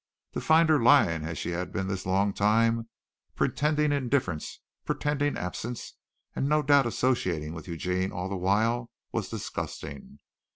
To find her lying as she had been this long time, pretending indifference, pretending absence, and no doubt associating with Eugene all the while, was disgusting.